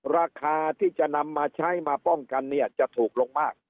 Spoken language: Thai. ราคาที่จะนำมาใช้มาป้องกันเนี่ยจะถูกลงมาก